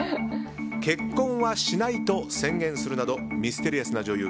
結婚はしないと宣言するなどミステリアスな女優